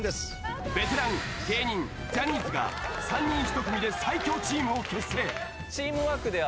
ベテラン芸人ジャニーズが３人１組で最強チームを結成